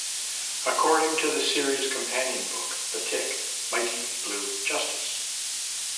According to the series' companion book, The Tick: Mighty Blue Justice!